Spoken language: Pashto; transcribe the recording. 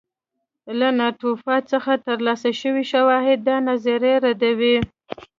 له ناتوفیان څخه ترلاسه شوي شواهد دا نظریه ردوي